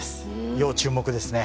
要注目ですね。